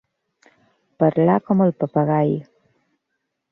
Parlar com el papagai.